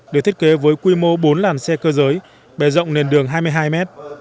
được thiết kế với quy mô bốn làn xe cơ giới bề rộng nền đường hai mươi hai mét